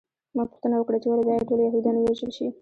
ما پوښتنه وکړه چې ولې باید ټول یهودان ووژل شي